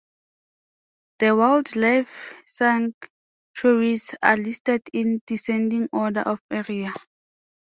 The wildlife sanctuaries are listed in descending order of area.